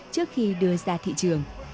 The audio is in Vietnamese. trước khi đưa ra thị trường